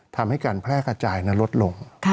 ทำให้การแพร่กระจายนั้นลดลง